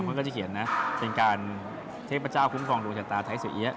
มันก็จะเขียนนะเป็นการเทพเจ้าคุ้มครองดวงชะตาไทยสวยเอี๊ยะ